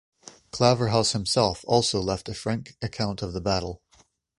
Claverhouse himself also left a frank account of the battle.